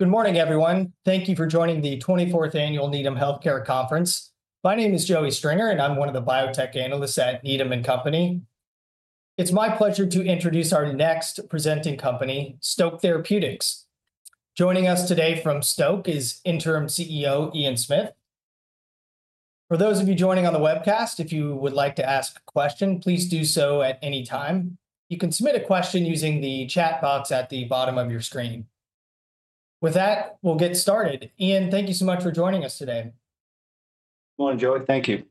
Good morning, everyone. Thank you for joining the 24th Annual Needham Healthcare Conference. My name is Joey Stringer, and I'm one of the biotech analysts at Needham & Company. It's my pleasure to introduce our next presenting company, Stoke Therapeutics. Joining us today from Stoke is Interim CEO Ian Smith. For those of you joining on the webcast, if you would like to ask a question, please do so at any time. You can submit a question using the chat box at the bottom of your screen. With that, we'll get started. Ian, thank you so much for joining us today. Good morning, Joey. Thank you.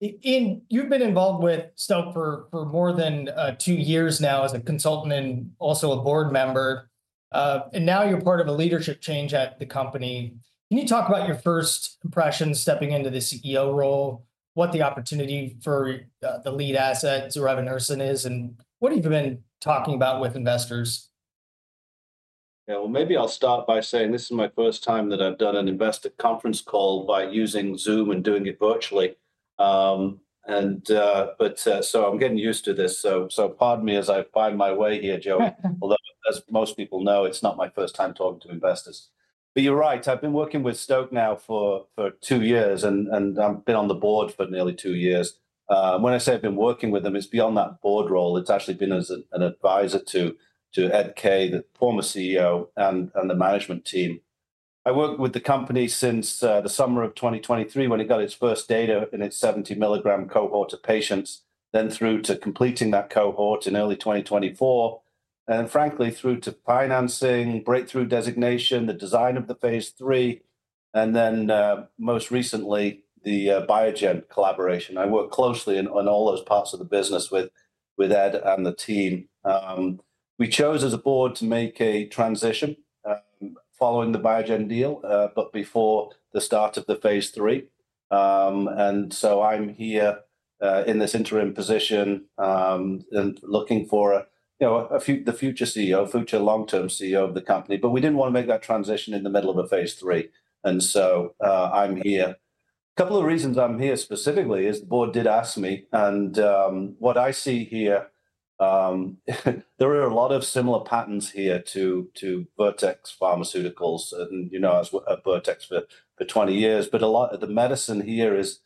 Ian, you've been involved with Stoke for more than two years now as a consultant and also a board member, and now you're part of a leadership change at the company. Can you talk about your first impressions stepping into the CEO role, what the opportunity for the lead asset, zorevunersen, is, and what have you been talking about with investors? Yeah, maybe I'll start by saying this is my first time that I've done an investor conference call by using Zoom and doing it virtually. I'm getting used to this. Pardon me as I find my way here, Joey, although, as most people know, it's not my first time talking to investors. You're right. I've been working with Stoke now for two years, and I've been on the board for nearly two years. When I say I've been working with them, it's beyond that board role. It's actually been as an advisor to Ed Kaye, the former CEO, and the management team. I worked with the company since the summer of 2023 when it got its first data in its 70 mg cohort of patients, then through to completing that cohort in early 2024, and frankly, through to financing, breakthrough designation, the design of the phase III, and then most recently, the Biogen collaboration. I work closely on all those parts of the business with Ed and the team. We chose as a board to make a transition following the Biogen deal, but before the start of the phase III. I'm here in this interim position and looking for the future CEO, future long-term CEO of the company. We did not want to make that transition in the middle of a phase III. I'm here. A couple of reasons I'm here specifically is the board did ask me. What I see here, there are a lot of similar patterns here to Vertex Pharmaceuticals. You know I was at Vertex for 20 years. A lot of the medicine here is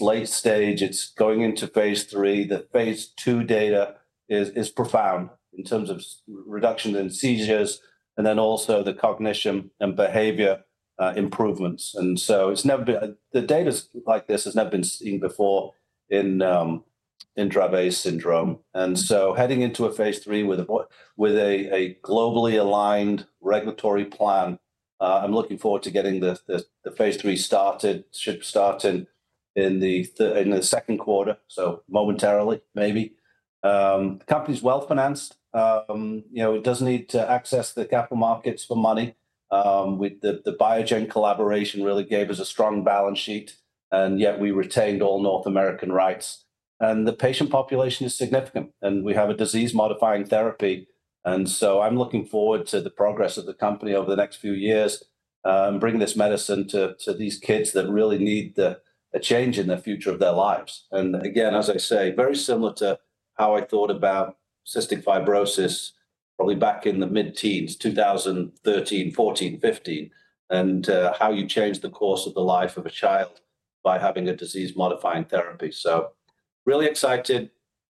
late-stage. It is going into phase III. The phase II data is profound in terms of reductions in seizures and then also the cognition and behavior improvements. The data like this has never been seen before in Dravet syndrome. Heading into a phase III with a globally aligned regulatory plan, I'm looking forward to getting the phase III started, should start in the second quarter, so momentarily, maybe. The company's well-financed. It does need to access the capital markets for money. The Biogen collaboration really gave us a strong balance sheet, and yet we retained all North American rights. The patient population is significant, and we have a disease-modifying therapy. I am looking forward to the progress of the company over the next few years and bringing this medicine to these kids that really need a change in the future of their lives. As I say, very similar to how I thought about cystic fibrosis probably back in the mid-teens, 2013, 2014, 2015, and how you change the course of the life of a child by having a disease-modifying therapy. Really excited.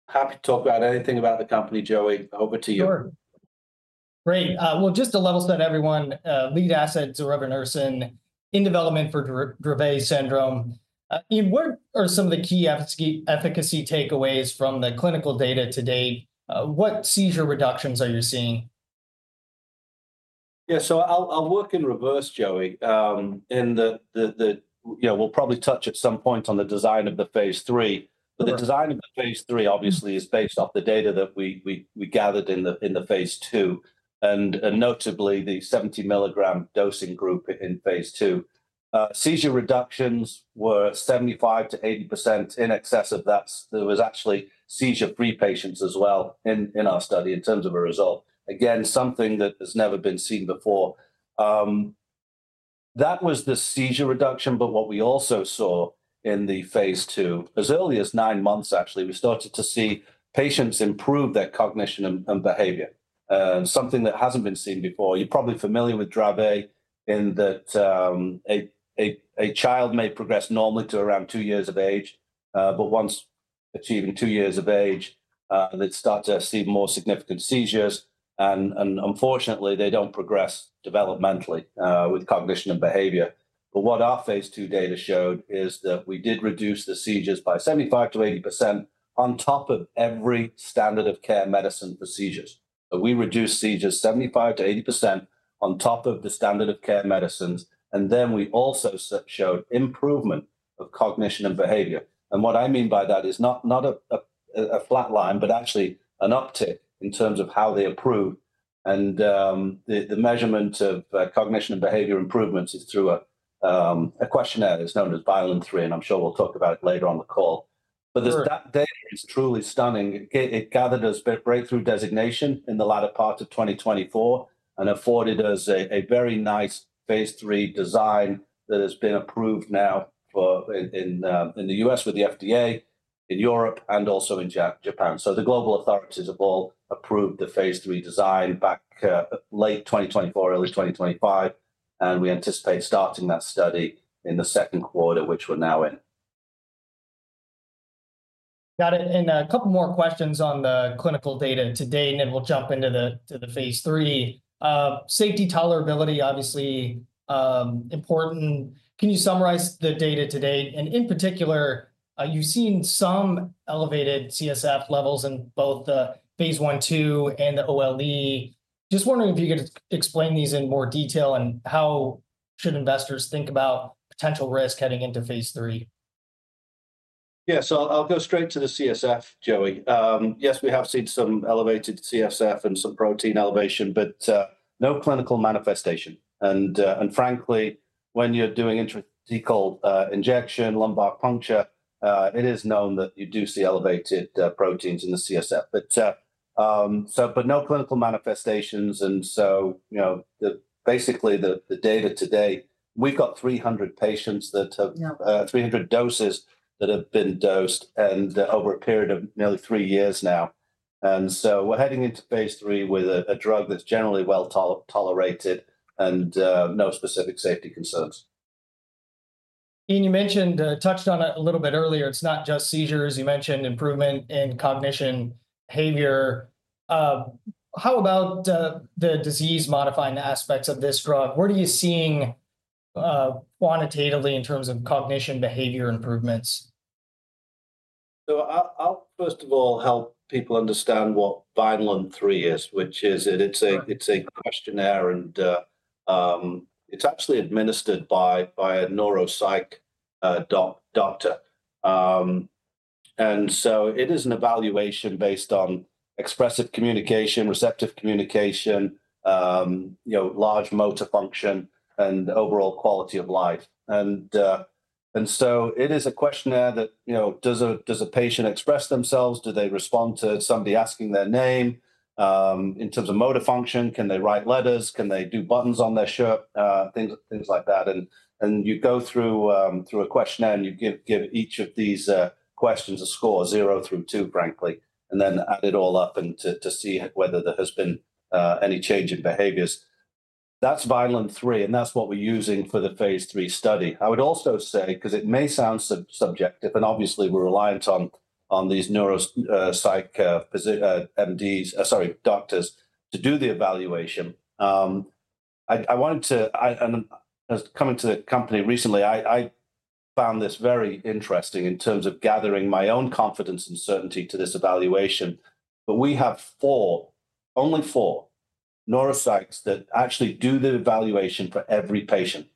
Happy to talk about anything about the company, Joey. Over to you. Sure. Great. Just to level set everyone, lead asset zorevunersen, in development for Dravet syndrome. Ian, what are some of the key efficacy takeaways from the clinical data to date? What seizure reductions are you seeing? Yeah, I'll work in reverse, Joey. We'll probably touch at some point on the design of the phase III. The design of the phase III, obviously, is based off the data that we gathered in the phase II, and notably the 70 mg dosing group in phase II. Seizure reductions were 75%-80% in excess of that. There were actually seizure-free patients as well in our study in terms of a result. Again, something that has never been seen before. That was the seizure reduction. What we also saw in the phase II, as early as nine months, actually, we started to see patients improve their cognition and behavior, something that hasn't been seen before. You're probably familiar with Dravet in that a child may progress normally to around two years of age. Once achieving two years of age, they start to see more significant seizures. Unfortunately, they do not progress developmentally with cognition and behavior. What our phase II data showed is that we did reduce the seizures by 75%-80% on top of every standard of care medicine for seizures. We reduced seizures 75%-80% on top of the standard of care medicines. We also showed improvement of cognition and behavior. What I mean by that is not a flat line, but actually an uptick in terms of how they improve. The measurement of cognition and behavior improvements is through a questionnaire. It is known as Vineland-3, and I am sure we will talk about it later on the call. That data is truly stunning. It gathered us breakthrough designation in the latter part of 2024 and afforded us a very nice phase III design that has been approved now in the U.S. with the FDA, in Europe, and also in Japan. The global authorities have all approved the phase III design back late 2024, early 2025. We anticipate starting that study in the second quarter, which we're now in. Got it. A couple more questions on the clinical data today, and then we'll jump into the phase III. Safety tolerability, obviously important. Can you summarize the data today? In particular, you've seen some elevated CSF levels in both the phase 1/2a, and the OLE. Just wondering if you could explain these in more detail and how should investors think about potential risk heading into phase III. Yeah, so I'll go straight to the CSF, Joey. Yes, we have seen some elevated CSF and some protein elevation, but no clinical manifestation. Frankly, when you're doing intrathecal injection, lumbar puncture, it is known that you do see elevated proteins in the CSF. No clinical manifestations. Basically, the data today, we've got 300 patients that have 300 doses that have been dosed over a period of nearly three years now. We're heading into phase III with a drug that's generally well tolerated and no specific safety concerns. Ian, you mentioned touched on it a little bit earlier. It's not just seizures. You mentioned improvement in cognition, behavior. How about the disease-modifying aspects of this drug? Where do you see quantitatively in terms of cognition, behavior improvements? I'll first of all help people understand what Vineland-3 is, which is it's a questionnaire, and it's actually administered by a neuropsych doctor. It is an evaluation based on expressive communication, receptive communication, large motor function, and overall quality of life. It is a questionnaire that does a patient express themselves? Do they respond to somebody asking their name? In terms of motor function, can they write letters? Can they do buttons on their shirt? Things like that. You go through a questionnaire, and you give each of these questions a score, zero through two, frankly, and then add it all up to see whether there has been any change in behaviors. That's Vineland-3, and that's what we're using for the phase III study. I would also say, because it may sound subjective, and obviously, we're reliant on these neuropsych MDs, sorry, doctors to do the evaluation. I wanted to, coming to the company recently, I found this very interesting in terms of gathering my own confidence and certainty to this evaluation. We have four, only four neuropsychs that actually do the evaluation for every patient.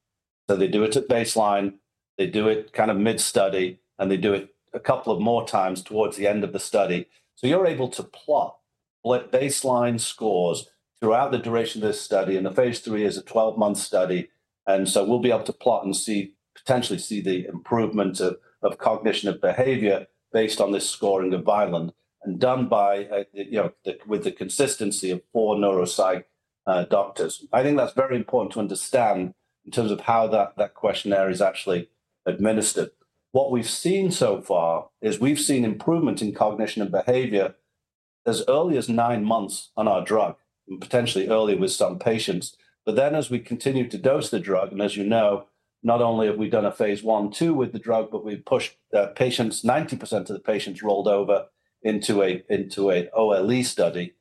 They do it at baseline. They do it kind of mid-study, and they do it a couple of more times towards the end of the study. You are able to plot baseline scores throughout the duration of this study. The phase III is a 12-month study. We will be able to plot and potentially see the improvement of cognition and behavior based on this scoring of Vineland and done with the consistency of four neuropsych doctors. I think that's very important to understand in terms of how that questionnaire is actually administered. What we've seen so far is we've seen improvement in cognition and behavior as early as nine months on our drug, potentially earlier with some patients. As we continue to dose the drug, and as you know, not only have we done a phase 1/2a with the drug, but we've pushed 90% of the patients rolled over into an OLE study.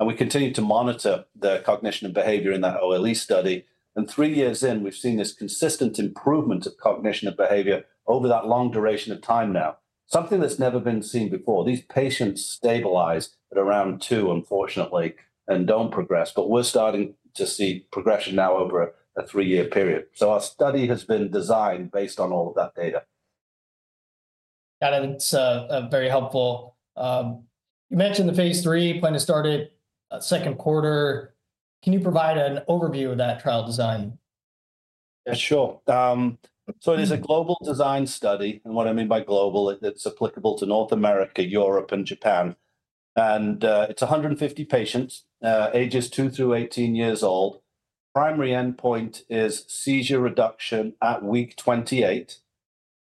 We continue to monitor the cognition and behavior in that OLE study. Three years in, we've seen this consistent improvement of cognition and behavior over that long duration of time now, something that's never been seen before. These patients stabilize at around two, unfortunately, and don't progress. We're starting to see progression now over a three-year period. Our study has been designed based on all of that data. Got it. It's very helpful. You mentioned the phase III, plan to start it second quarter. Can you provide an overview of that trial design? Yeah, sure. It is a global design study. What I mean by global, it's applicable to North America, Europe, and Japan. It's 150 patients, ages 2 through 18 years old. Primary endpoint is seizure reduction at week 28.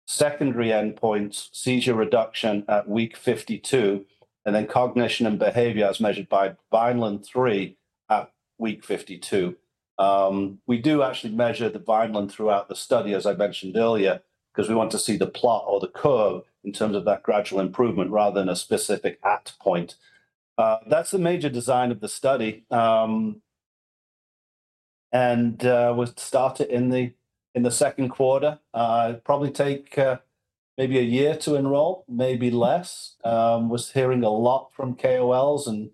Secondary endpoint, seizure reduction at week 52. Then cognition and behavior as measured by Vineland-3 at week 52. We do actually measure the Vineland throughout the study, as I mentioned earlier, because we want to see the plot or the curve in terms of that gradual improvement rather than a specific at point. That's the major design of the study. We started in the second quarter. Probably take maybe a year to enroll, maybe less. We're hearing a lot from KOLs and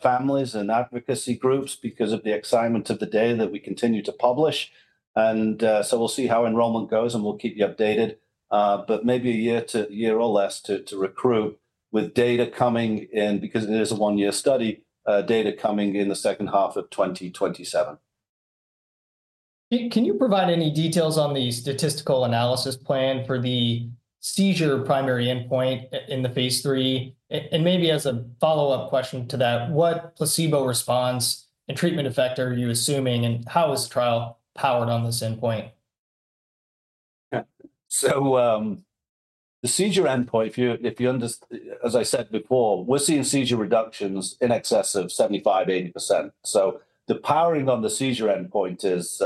families and advocacy groups because of the excitement of the data that we continue to publish. We will see how enrollment goes, and we will keep you updated. Maybe a year or less to recruit with data coming in because it is a one-year study, data coming in the second half of 2027. Can you provide any details on the statistical analysis plan for the seizure primary endpoint in the phase III? Maybe as a follow-up question to that, what placebo response and treatment effect are you assuming, and how is the trial powered on this endpoint? The seizure endpoint, as I said before, we're seeing seizure reductions in excess of 75%-80%. The powering on the seizure endpoint is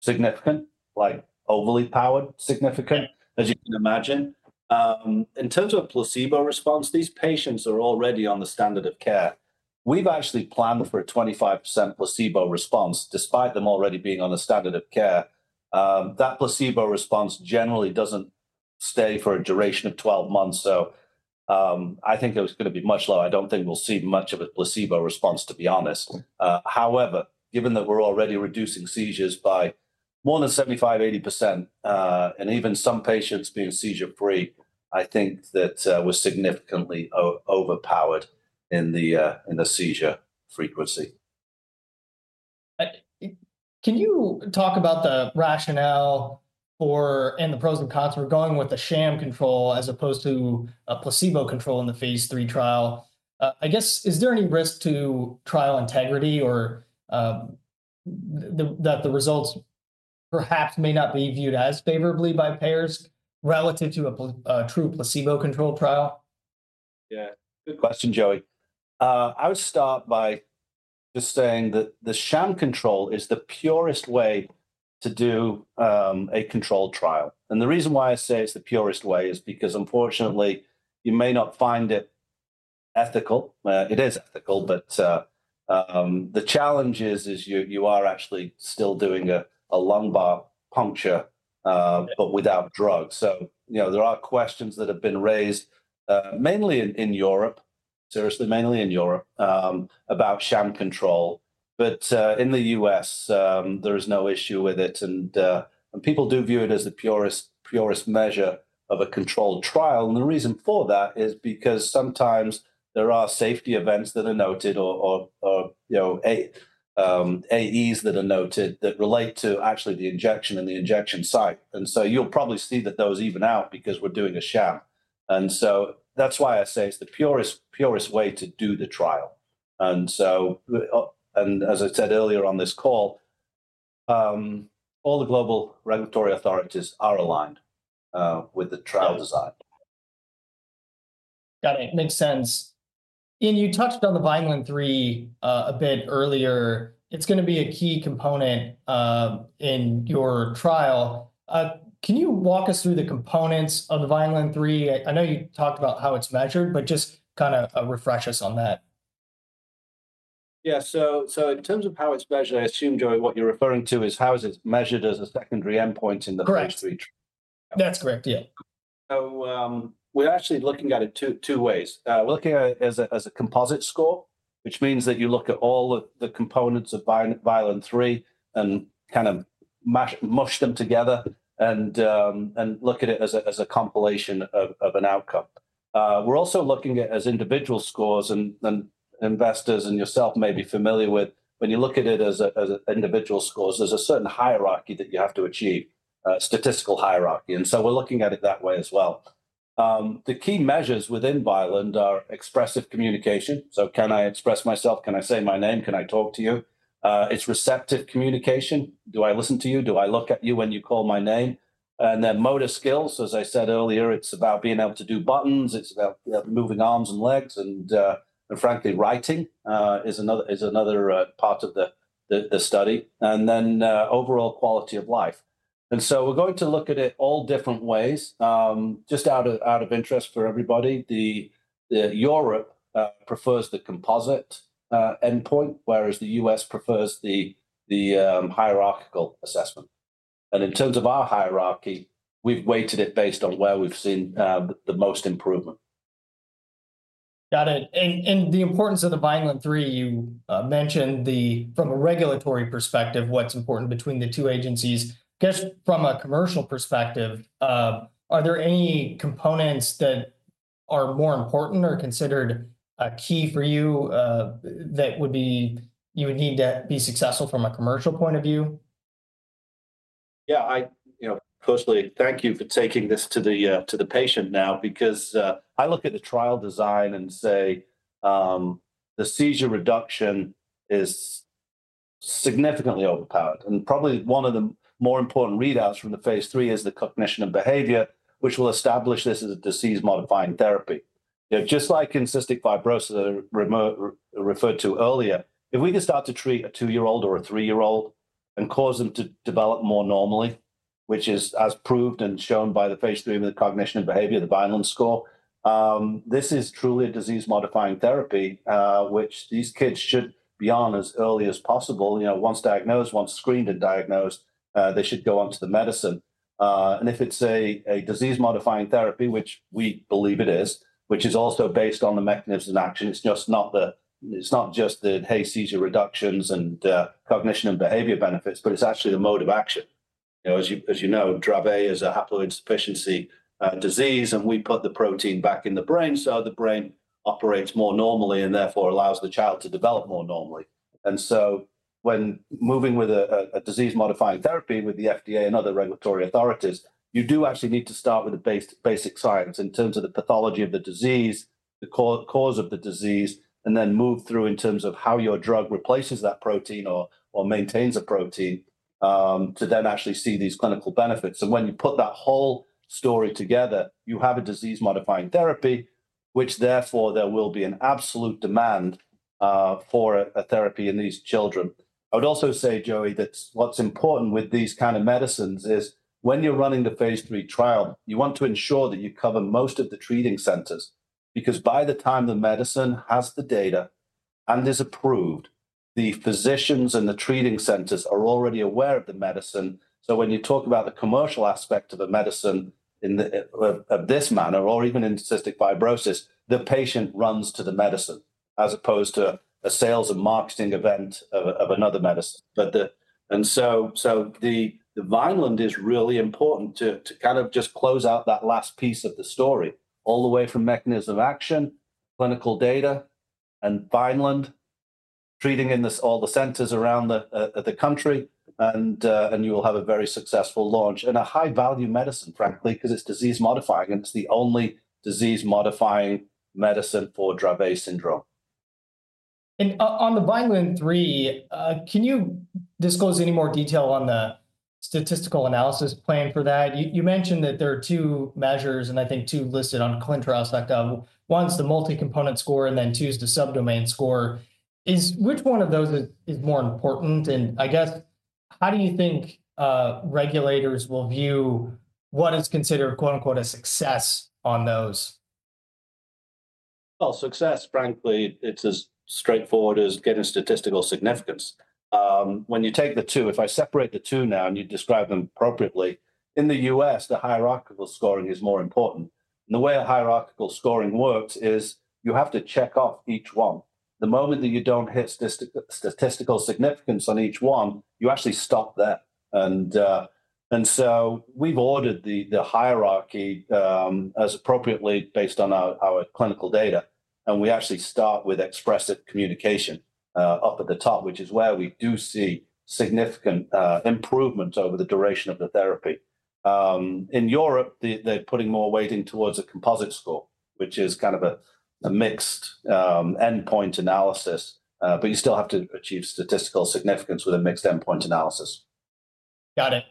significant, like overly powered, significant, as you can imagine. In terms of placebo response, these patients are already on the standard of care. We've actually planned for a 25% placebo response despite them already being on the standard of care. That placebo response generally doesn't stay for a duration of 12 months. I think it is going to be much lower. I don't think we'll see much of a placebo response, to be honest. However, given that we're already reducing seizures by more than 75%-80%, and even some patients being seizure-free, I think that we're significantly overpowered in the seizure frequency. Can you talk about the rationale and the pros and cons? We're going with the sham control as opposed to placebo control in the phase III trial. I guess, is there any risk to trial integrity or that the results perhaps may not be viewed as favorably by payers relative to a true placebo-controlled trial? Yeah, good question, Joey. I would start by just saying that the sham control is the purest way to do a controlled trial. The reason why I say it's the purest way is because, unfortunately, you may not find it ethical. It is ethical. The challenge is you are actually still doing a lumbar puncture, but without drugs. There are questions that have been raised, mainly in Europe, seriously, mainly in Europe, about sham control. In the U.S., there is no issue with it. People do view it as the purest measure of a controlled trial. The reason for that is because sometimes there are safety events that are noted or AEs that are noted that relate to actually the injection and the injection site. You'll probably see that those even out because we're doing a sham. That is why I say it's the purest way to do the trial. As I said earlier on this call, all the global regulatory authorities are aligned with the trial design. Got it. Makes sense. Ian, you touched on the Vineland-3 a bit earlier. It's going to be a key component in your trial. Can you walk us through the components of the Vineland-3? I know you talked about how it's measured, but just kind of refresh us on that. Yeah. In terms of how it's measured, I assume, Joey, what you're referring to is how is it measured as a secondary endpoint in the phase III. Correct. That's correct, yeah. We're actually looking at it two ways. We're looking at it as a composite score, which means that you look at all of the components of Vineland-3 and kind of mush them together and look at it as a compilation of an outcome. We're also looking at it as individual scores. Investors and yourself may be familiar with when you look at it as individual scores, there's a certain hierarchy that you have to achieve, statistical hierarchy. We're looking at it that way as well. The key measures within Vineland are expressive communication. Can I express myself? Can I say my name? Can I talk to you? It's receptive communication. Do I listen to you? Do I look at you when you call my name? Then motor skills. As I said earlier, it's about being able to do buttons. It's about moving arms and legs. Frankly, writing is another part of the study. Then overall quality of life. We're going to look at it all different ways, just out of interest for everybody. Europe prefers the composite endpoint, whereas the U.S. prefers the hierarchical assessment. In terms of our hierarchy, we've weighted it based on where we've seen the most improvement. Got it. The importance of the Vineland-3, you mentioned from a regulatory perspective what's important between the two agencies. I guess from a commercial perspective, are there any components that are more important or considered key for you that you would need to be successful from a commercial point of view? Yeah. Closely, thank you for taking this to the patient now because I look at the trial design and say the seizure reduction is significantly overpowered. Probably one of the more important readouts from the phase three is the cognition and behavior, which will establish this as a disease-modifying therapy. Just like in cystic fibrosis that I referred to earlier, if we can start to treat a two-year-old or a three-year-old and cause them to develop more normally, which is as proved and shown by the phase three with the cognition and behavior, the Vineland score, this is truly a disease-modifying therapy, which these kids should be on as early as possible. Once diagnosed, once screened and diagnosed, they should go on to the medicine. If it's a disease-modifying therapy, which we believe it is, which is also based on the mechanisms in action, it's not just the, hey, seizure reductions and cognition and behavior benefits, but it's actually the mode of action. As you know, Dravet is a haploinsufficiency disease, and we put the protein back in the brain so the brain operates more normally and therefore allows the child to develop more normally. When moving with a disease-modifying therapy with the FDA and other regulatory authorities, you do actually need to start with the basic science in terms of the pathology of the disease, the cause of the disease, and then move through in terms of how your drug replaces that protein or maintains a protein to then actually see these clinical benefits. When you put that whole story together, you have a disease-modifying therapy, which therefore there will be an absolute demand for a therapy in these children. I would also say, Joey, that what's important with these kinds of medicines is when you're running the phase III trial, you want to ensure that you cover most of the treating centers because by the time the medicine has the data and is approved, the physicians and the treating centers are already aware of the medicine. When you talk about the commercial aspect of a medicine of this manner or even in cystic fibrosis, the patient runs to the medicine as opposed to a sales and marketing event of another medicine. The Vineland is really important to kind of just close out that last piece of the story all the way from mechanism of action, clinical data, and Vineland, treating in all the centers around the country. You will have a very successful launch and a high-value medicine, frankly, because it's disease-modifying. It's the only disease-modifying medicine for Dravet syndrome. On the Vineland-3, can you disclose any more detail on the statistical analysis plan for that? You mentioned that there are two measures and I think two listed on clinicaltrials.gov. One's the multi-component score, and then two's the subdomain score. Which one of those is more important? I guess, how do you think regulators will view what is considered "a success" on those? Success, frankly, it's as straightforward as getting statistical significance. When you take the two, if I separate the two now and you describe them appropriately, in the U.S., the hierarchical scoring is more important. The way a hierarchical scoring works is you have to check off each one. The moment that you don't hit statistical significance on each one, you actually stop there. We have ordered the hierarchy as appropriately based on our clinical data. We actually start with expressive communication up at the top, which is where we do see significant improvement over the duration of the therapy. In Europe, they're putting more weighting towards a composite score, which is kind of a mixed endpoint analysis. You still have to achieve statistical significance with a mixed endpoint analysis. Got it.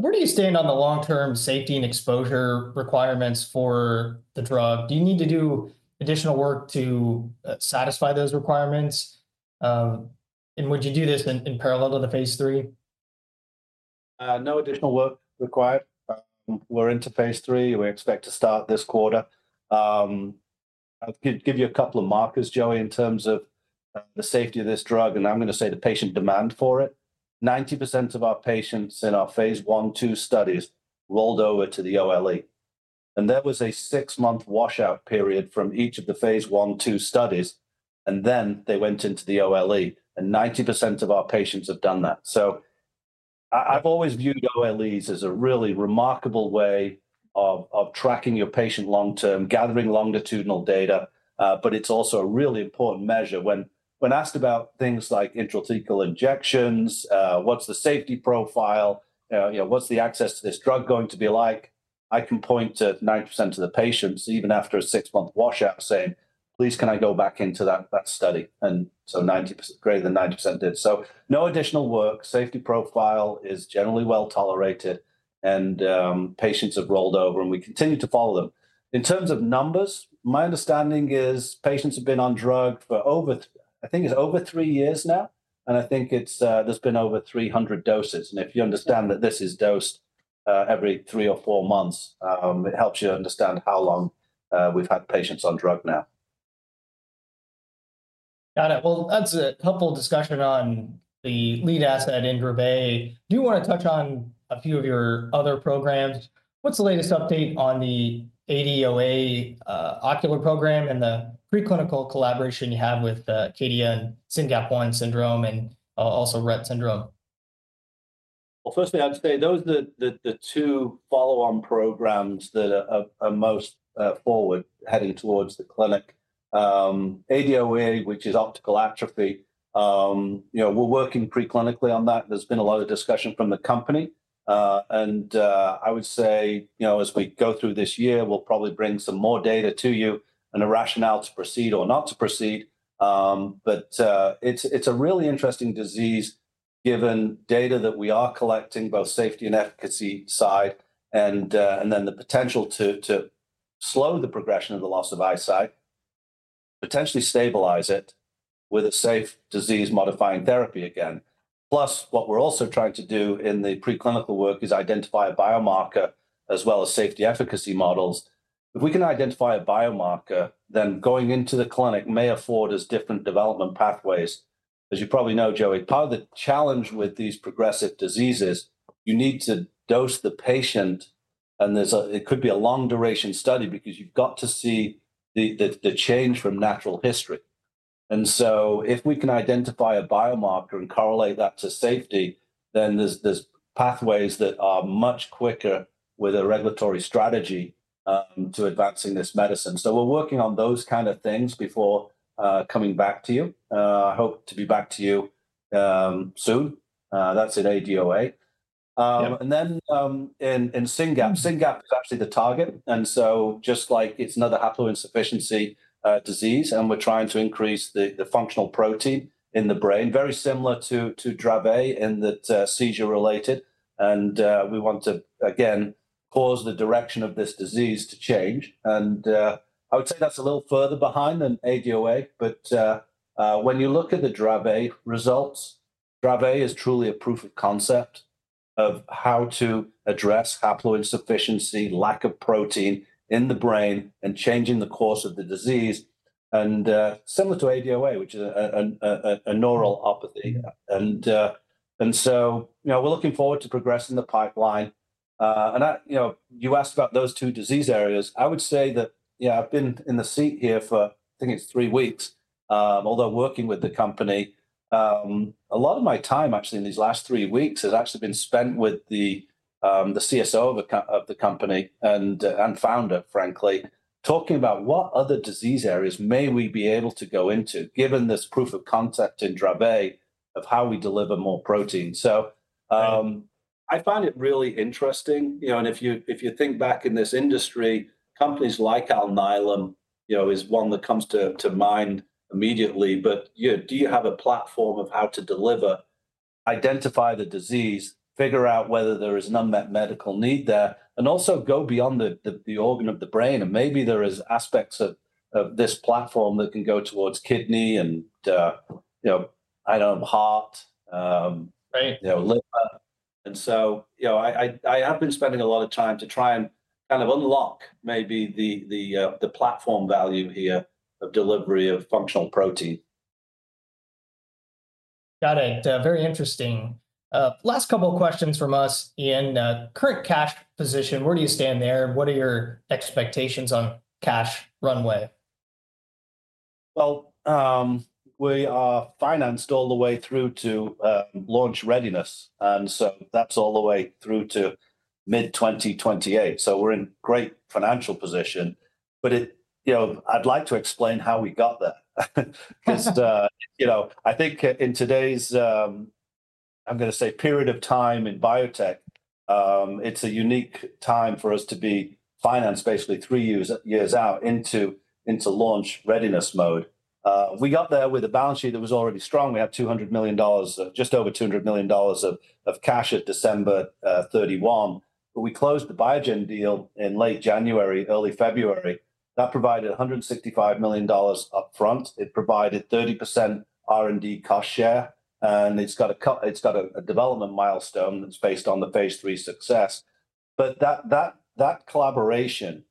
Where do you stand on the long-term safety and exposure requirements for the drug? Do you need to do additional work to satisfy those requirements? Would you do this in parallel to the phase III? No additional work required. We're into phase III. We expect to start this quarter. I'll give you a couple of markers, Joey, in terms of the safety of this drug. I'm going to say the patient demand for it. 90% of our patients in our phase 1/2a studies rolled over to the OLE. There was a six-month washout period from each of the phase 1/2a studies. They went into the OLE. 90% of our patients have done that. I've always viewed OLEs as a really remarkable way of tracking your patient long-term, gathering longitudinal data. It's also a really important measure. When asked about things like intrathecal injections, what's the safety profile, what's the access to this drug going to be like, I can point to 90% of the patients, even after a six-month washout, saying, "Please, can I go back into that study?" Greater than 90% did. No additional work. Safety profile is generally well tolerated. Patients have rolled over, and we continue to follow them. In terms of numbers, my understanding is patients have been on drug for, I think, it's over three years now. I think there's been over 300 doses. If you understand that this is dosed every three or four months, it helps you understand how long we've had patients on drug now. Got it. That is a helpful discussion on the lead asset in Dravet. I do want to touch on a few of your other programs. What is the latest update on the ADOA Ocular Program and the preclinical collaboration you have with KDN SYNGAP1 syndrome and also Rett syndrome? Firstly, I'd say those are the two follow-on programs that are most forward heading towards the clinic. ADOA, which is optical atrophy, we're working preclinically on that. There's been a lot of discussion from the company. I would say, as we go through this year, we'll probably bring some more data to you and a rationale to proceed or not to proceed. It's a really interesting disease given data that we are collecting, both safety and efficacy side, and the potential to slow the progression of the loss of eyesight, potentially stabilize it with a safe disease-modifying therapy again. Plus, what we're also trying to do in the preclinical work is identify a biomarker as well as safety efficacy models. If we can identify a biomarker, then going into the clinic may afford us different development pathways. As you probably know, Joey, part of the challenge with these progressive diseases, you need to dose the patient. It could be a long-duration study because you've got to see the change from natural history. If we can identify a biomarker and correlate that to safety, then there's pathways that are much quicker with a regulatory strategy to advancing this medicine. We're working on those kinds of things before coming back to you. I hope to be back to you soon. That's at ADOA. In Syngap, Syngap is actually the target. Just like it's another haploinsufficiency disease, and we're trying to increase the functional protein in the brain, very similar to Dravet in that seizure-related. We want to, again, cause the direction of this disease to change. I would say that's a little further behind than ADOA. When you look at the Dravet results, Dravet is truly a proof of concept of how to address haploinsufficiency, lack of protein in the brain, and changing the course of the disease, similar to ADOA, which is a neuropathy. We are looking forward to progressing the pipeline. You asked about those two disease areas. I would say that I've been in the seat here for, I think it's three weeks, although working with the company. A lot of my time, actually, in these last three weeks has actually been spent with the CSO of the company and founder, frankly, talking about what other disease areas may we be able to go into, given this proof of concept in Dravet of how we deliver more protein. I find it really interesting. If you think back in this industry, companies like Alnylam is one that comes to mind immediately. Do you have a platform of how to deliver, identify the disease, figure out whether there is an unmet medical need there, and also go beyond the organ of the brain? Maybe there are aspects of this platform that can go towards kidney and, I don't know, heart, liver. I have been spending a lot of time to try and kind of unlock maybe the platform value here of delivery of functional protein. Got it. Very interesting. Last couple of questions from us. In current cash position, where do you stand there? What are your expectations on cash runway? We are financed all the way through to launch readiness. That is all the way through to mid-2028. We are in great financial position. I would like to explain how we got there. I think in today's, I'm going to say, period of time in biotech, it is a unique time for us to be financed basically three years out into launch readiness mode. We got there with a balance sheet that was already strong. We had just over $200 million of cash at December 31, 2023. We closed the Biogen deal in late January, early February. That provided $165 million upfront. It provided 30% R&D cost share. It has a development milestone that is based on the phase III success. That collaboration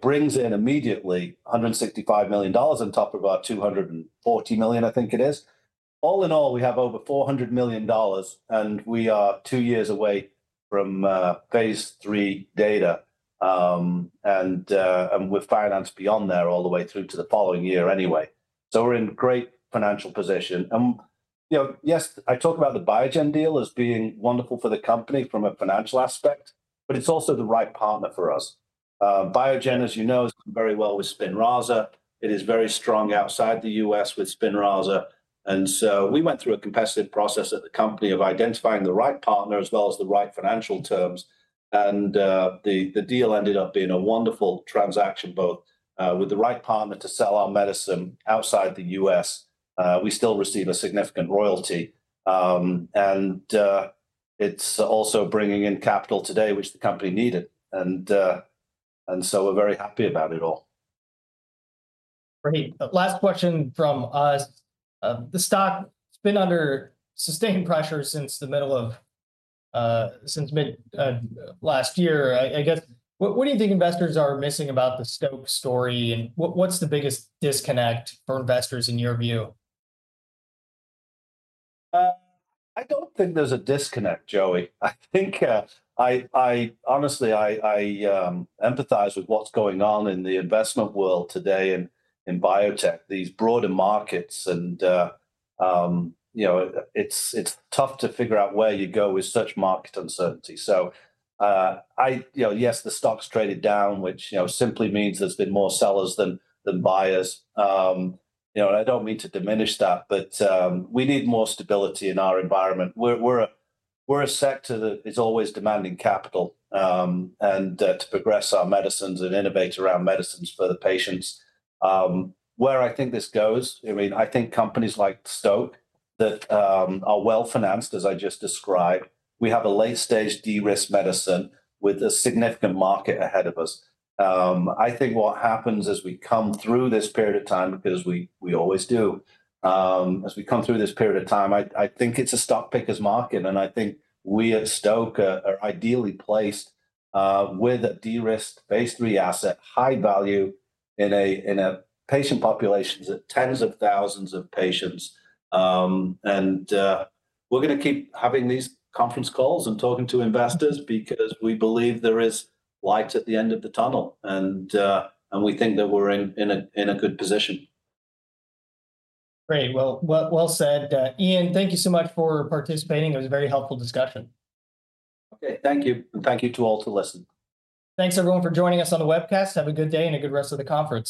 brings in immediately $165 million on top of our $240 million, I think it is. All in all, we have over $400 million. We are two years away from phase III data. We are financed beyond there all the way through to the following year anyway. We are in great financial position. Yes, I talk about the Biogen deal as being wonderful for the company from a financial aspect. It is also the right partner for us. Biogen, as you know, is very well with Spinraza. It is very strong outside the U.S. with Spinraza. We went through a competitive process at the company of identifying the right partner as well as the right financial terms. The deal ended up being a wonderful transaction, both with the right partner to sell our medicine outside the U.S. We still receive a significant royalty. It is also bringing in capital today, which the company needed. We are very happy about it all. Great. Last question from us. The stock's been under sustained pressure since mid-last year. I guess, what do you think investors are missing about the Stoke story? What's the biggest disconnect for investors in your view? I don't think there's a disconnect, Joey. I think I honestly empathize with what's going on in the investment world today in biotech, these broader markets. It's tough to figure out where you go with such market uncertainty. Yes, the stock's traded down, which simply means there's been more sellers than buyers. I don't mean to diminish that. We need more stability in our environment. We're a sector that is always demanding capital to progress our medicines and innovate around medicines for the patients. Where I think this goes, I mean, I think companies like Stoke that are well financed, as I just described, we have a late-stage de-risk medicine with a significant market ahead of us. I think what happens as we come through this period of time, because we always do, as we come through this period of time, I think it's a stock pickers market. I think we at Stoke are ideally placed with a de-risk phase III asset, high value in a patient population of tens of thousands of patients. We're going to keep having these conference calls and talking to investors because we believe there is light at the end of the tunnel. We think that we're in a good position. Great. Well said. Ian, thank you so much for participating. It was a very helpful discussion. Okay. Thank you. Thank you to all to listen. Thanks, everyone, for joining us on the webcast. Have a good day and a good rest of the conference.